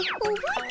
え？